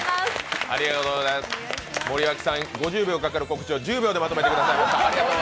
森脇さん、５０秒かかる告知を１０秒でまとめました。